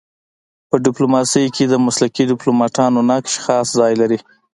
په ډيپلوماسی کي د مسلکي ډيپلوماتانو نقش خاص ځای لري.